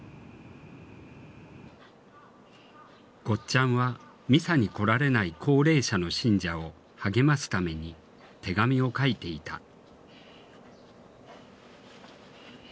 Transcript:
ゴッちゃんはミサに来られない高齢者の信者を励ますために手紙を書いていた。